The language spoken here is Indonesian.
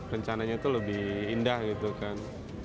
rencananya itu lebih indah gitu kan